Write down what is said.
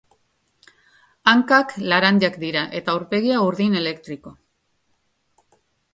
Hankak laranjak dira eta aurpegia urdin elektriko.